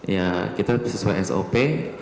ya kita sesuai sop